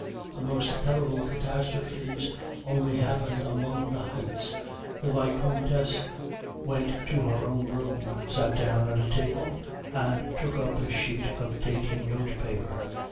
The most terrible catastrophes only happen among the heights. The Vicomtesse went to her own room, sat down at a table, and took up a sheet of dainty notepaper.